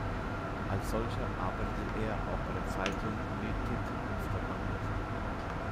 Als solcher arbeitete er auch bei der Zeitung "Ny Tid" in Stockholm mit.